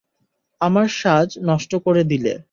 আমার সাজ নষ্ট করে দিলে।